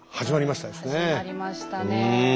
始まりましたね。